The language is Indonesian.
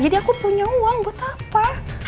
jadi aku punya uang buat apa